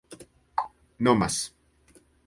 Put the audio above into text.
nomas